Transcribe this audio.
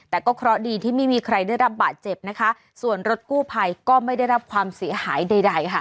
แต่ก็เคราะห์ดีที่ไม่มีใครได้รับบาดเจ็บนะคะส่วนรถกู้ภัยก็ไม่ได้รับความเสียหายใดค่ะ